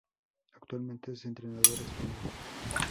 Actualmente es entrenador español.